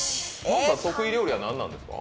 得意料理は何なんですか？